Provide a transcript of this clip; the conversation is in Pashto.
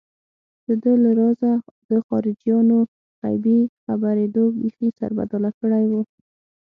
دده له رازه د خارجيانو غيبي خبرېدو بېخي سربداله کړی و.